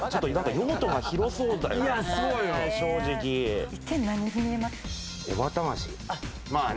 用途が広そうだよね。